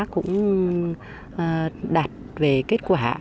cũng đạt về kết quả